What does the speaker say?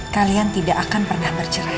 kalian tidak akan pernah bercerah